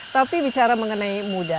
tapi bicara mengenai muda